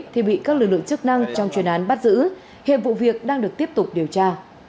thì bị các lực lượng chức năng trong chuyên án bắt giữ hiệp vụ việc đang được tiếp tục điều tra